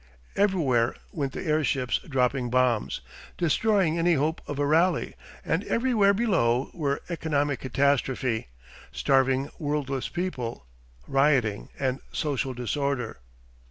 Everywhere went the airships dropping bombs, destroying any hope of a rally, and everywhere below were economic catastrophe, starving workless people, rioting, and social disorder.